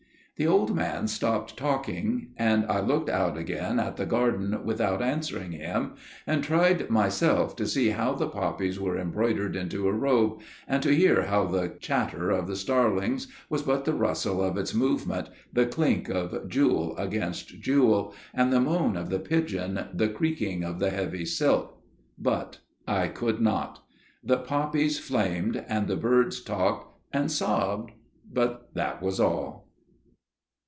The old man stopped talking. And I looked out again at the garden without answering him, and tried myself to see how the poppies were embroidered into a robe, and to hear how the chatter of the starlings was but the rustle of its movement, the clink of jewel against jewel, and the moan of the pigeon the creaking of the heavy silk, but I could not. The poppies flamed and the birds talked and sobbed, but that was all.